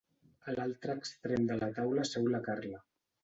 A l'altre extrem de la taula seu la Carla.